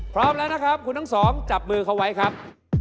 พร้อมแล้วนะครับคุณทั้งสองจับมือเขาไว้ครับ